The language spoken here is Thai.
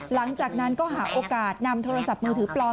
หลังจากนั้นก็หาโอกาสนำโทรศัพท์มือถือปลอม